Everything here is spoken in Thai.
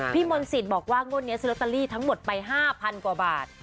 มนศิษย์บอกว่างวดนี้ซื้อลอตเตอรี่ทั้งหมดไป๕๐๐กว่าบาท